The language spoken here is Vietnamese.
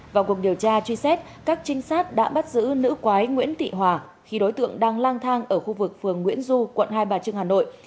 vào cuộc điều tra truy xét các trinh sát đã bắt giữ nữ quái nguyễn thị hòa khi đối tượng đang lang thang ở khu vực phường nguyễn du quận hai bà trưng hà nội